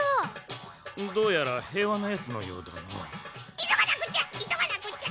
いそがなくっちゃいそがなくっちゃ！